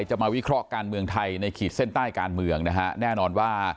จะมาวิเคราะห์การเมืองไทยในขีดเส้นใต้การเมืองนะฮะแน่นอนว่า